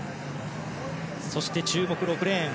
そして注目、６レーン